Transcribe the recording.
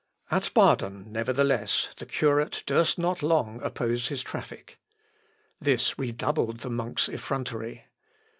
At Baden, nevertheless, the curate durst not long oppose his traffic. This redoubled the monk's effrontery.